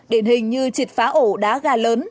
đền hình như triệt phá ổ đá gà lớn